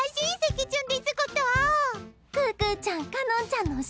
可可ちゃんかのんちゃんの後ろ！